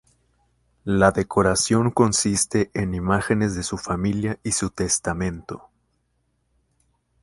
La decoración consiste en imágenes de su familia y su testamento.